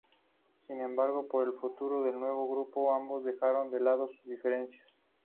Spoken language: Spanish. Sin embargo, por el futuro del nuevo grupo, ambos dejaron de lado sus diferencias.